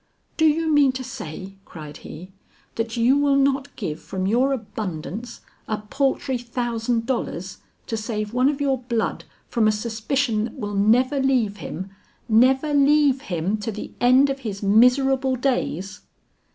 "Do you mean to say," cried he, "that you will not give from your abundance, a paltry thousand dollars to save one of your blood from a suspicion that will never leave him, never leave him to the end of his miserable days?"